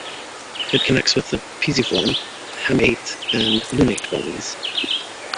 It connects with the pisiform, hamate, and lunate bones.